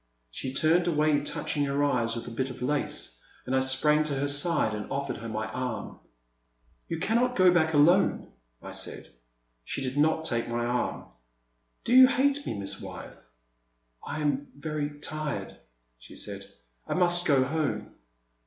She turned away, touch ing her eyes with a bit of lace, and I sprang to her side and offered her my arm. You cannot go back alone," I said. She did not take my arm. Do you hate me. Miss Wyeth ?" I am very tired,'* she said, *' I must go home.'